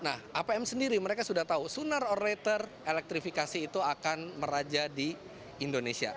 nah apm sendiri mereka sudah tahu sonar or later elektrifikasi itu akan meraja di indonesia